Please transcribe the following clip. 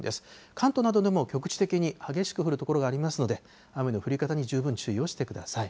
関東などでも局地的に激しく降る所がありますので、雨の降り方に十分注意をしてください。